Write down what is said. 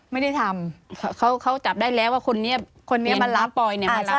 ไม่ได้ทำเขาจับได้แล้วว่าคนนี้มันรักแทน